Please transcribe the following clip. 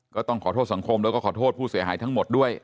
ก็ต้องขอโทษสังคมแล้วก็ขอโทษผู้เสียหายทั้งหมดด้วย